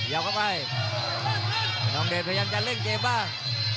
ยอมเข้าไปพ่อน้องเด่นพยายามจะเล่นเกมบ้าง